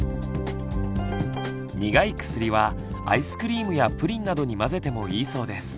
苦い薬はアイスクリームやプリンなどに混ぜてもいいそうです。